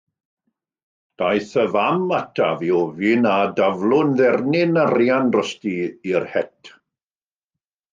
Daeth y fam ataf i ofyn a daflwn ddernyn arian drosti i'r het.